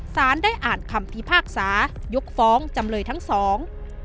สารได้อ่านคำพิพากษายกฟ้องจำเลยทั้งสอง